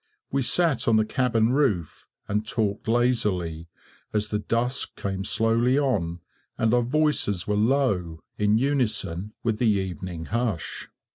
We sat on the cabin roof, and talked lazily, as the dusk came slowly on, and our voices were low, in unison with the evening hush.